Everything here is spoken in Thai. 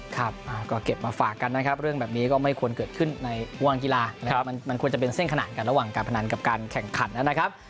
ครับก็เก็บมาฝากกันนะครับเรื่องแบบนี้ก็ไม่ควรเกิดขึ้นในวงกีฬานะครับมันควรจะเป็นเส้นขนาดกันระหว่างการพนันกับการแข่งขันนะครับ